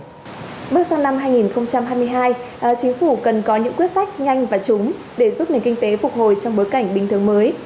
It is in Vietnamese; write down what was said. bước sang năm hai nghìn hai mươi hai chính phủ cần có những quyết sách nhanh và chúng để giúp nền kinh tế phục hồi trong bối cảnh bình thường mới